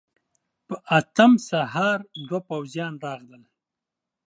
په اتم سهار دوه پوځيان راغلل.